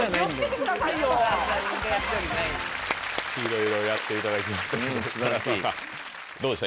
いろいろやっていただきました。